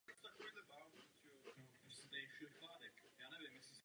Chudí obyvatelé této části Hradčan si tak pravděpodobně chtěli zlepšit svůj osud.